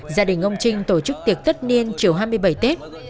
gia đình ông trinh tổ chức tiệc tất niên chiều hai mươi bảy tết